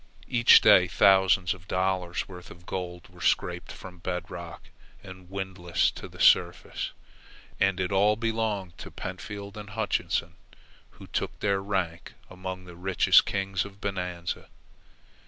Each day thousands of dollars' worth of gold were scraped from bedrock and windlassed to the surface, and it all belonged to Pentfield and Hutchinson, who took their rank among the richest kings of Bonanza.